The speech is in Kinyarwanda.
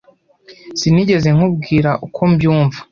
Sinigeze nkubwira uko mbyumva.